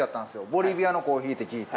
ボリビアのコーヒーって聞いて。